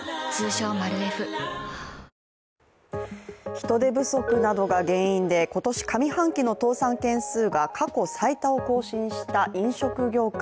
人手不足などが原因で今年上半期の倒産件数が過去最多を更新した飲食業界。